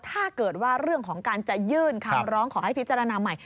ถ้าเกิดว่าเรื่องของการจะยื่นคำร้องขอให้พิจารณาใหม่